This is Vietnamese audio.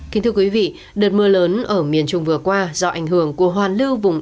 kính thưa quý vị đợt mưa lớn ở miền trung vừa qua do ảnh hưởng của hoàn lưu vùng